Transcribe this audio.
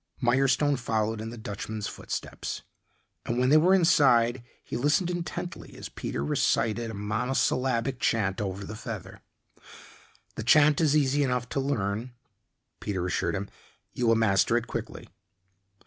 Mirestone followed in the Dutchman's footsteps, and when they were inside, he listened intently as Peter recited a monosyllabic chant over the feather. "The chant is easy enough to learn," Peter assured him. "You will master it quickly."